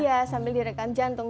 iya sambil direkam jantung